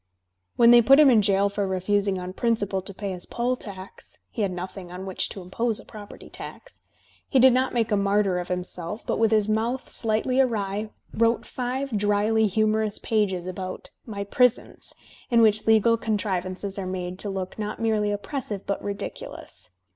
When they put him in jail for refusing on principle to pay his poll tax (he had nothing on which to impose a property tax), he did not make a martyr of himself, but with his mouth slightly awry wrote five dryly humorous pages about "My Prisons," in which legal con trivances are made to look not merely oppressive but ridicu lous.